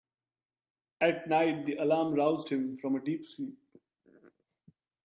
At night the alarm roused him from a deep sleep.